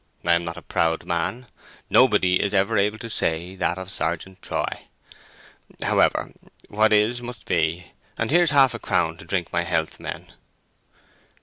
I'm not a proud man: nobody is ever able to say that of Sergeant Troy. However, what is must be, and here's half a crown to drink my health, men."